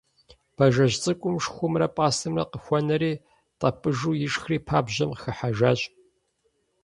Бажэжь цӀыкӀум шхумрэ пӀастэмрэ къыхуэнэри тӀэпӀыжу ишхри пабжьэм хыхьэжащ.